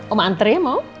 omah antar ya mau